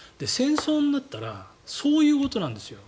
戦争になったらそういうことなんです。